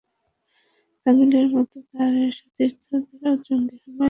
তামিমের মতো তাঁর সতীর্থরাও জঙ্গি হামলায় নিহত ব্যক্তিদের প্রতি শোক জানিয়েছেন সামাজিক যোগাযোগমাধ্যমে।